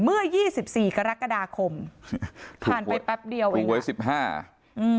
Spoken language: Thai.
ยี่สิบสี่กรกฎาคมผ่านไปแป๊บเดียวเองหวยสิบห้าอืม